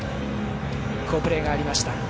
好プレーがありました。